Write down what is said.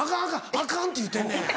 アカンって言うてんねん。